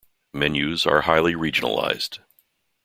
Menus are highly regionalized.